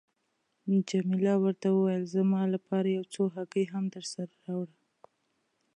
جميله ورته وویل: زما لپاره یو څو هګۍ هم درسره راوړه.